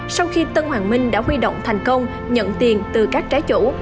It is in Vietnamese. sau khi tân hoàng minh đã huy động thành công nhận tiền từ các trái chủ